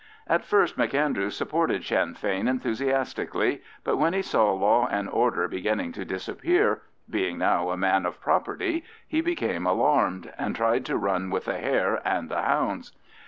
At first M'Andrew supported Sinn Fein enthusiastically, but when he saw law and order beginning to disappear, being now a man of property, he became alarmed, and tried to run with the hare and the hounds.